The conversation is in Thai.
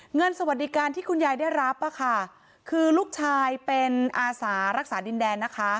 สวัสดีการที่คุณยายได้รับอะค่ะคือลูกชายเป็นอาสารักษาดินแดนนะคะ